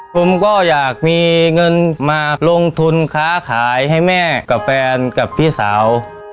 ผมก็อยากมีเงินมาลงทุนค้าขายให้แม่กับแฟนกับพี่สาว